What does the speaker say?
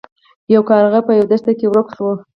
یو کارغه په یوه دښته کې ورک شو.